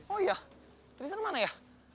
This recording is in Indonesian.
oh iya tristan mana ya